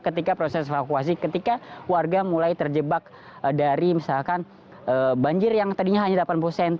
ketika proses evakuasi ketika warga mulai terjebak dari misalkan banjir yang tadinya hanya delapan puluh cm